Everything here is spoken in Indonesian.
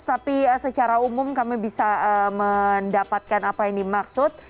tapi secara umum kami bisa mendapatkan apa yang dimaksud